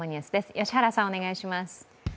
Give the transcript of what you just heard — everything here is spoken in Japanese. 良原さん、お願いします。